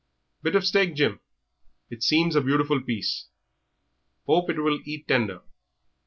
"Bit of steak, Jim. It seems a beautiful piece. Hope it will eat tender."